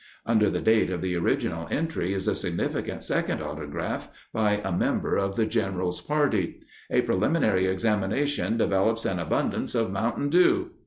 Under the date of the original entry is a significant second autograph by a member of the General's party: "A preliminary examination develops an abundance of mountain dew."